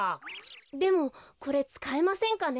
でもこれつかえませんかね。